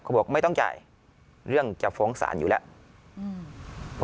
บอกไม่ต้องจ่ายเรื่องจะฟ้องศาลอยู่แล้ว